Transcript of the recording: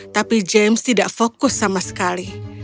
tapi james tidak fokus sama sekali